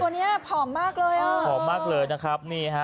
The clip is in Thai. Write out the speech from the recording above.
เนี้ยผอมมากเลยอ่ะผอมมากเลยนะครับนี่ฮะ